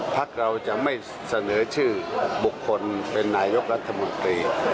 พักเราจะไม่เสนอชื่อบุคคลเป็นนายกรัฐมนตรี